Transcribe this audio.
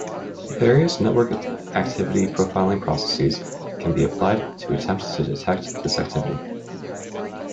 Various network activity profiling processes can be applied to attempt to detect this activity.